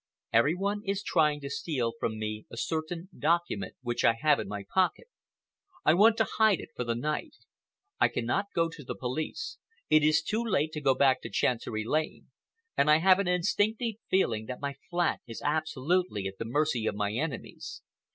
Every one is trying to steal from me a certain document which I have in my pocket. I want to hide it for the night. I cannot go to the police, it is too late to go back to Chancery Lane, and I have an instinctive feeling that my flat is absolutely at the mercy of my enemies.